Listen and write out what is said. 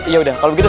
yaudah ini ini